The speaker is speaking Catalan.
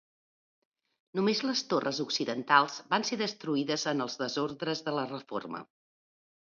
Només les torres occidentals van ser destruïdes en els desordres de la reforma.